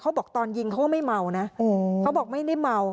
บอกตอนยิงเขาก็ไม่เมานะเขาบอกไม่ได้เมา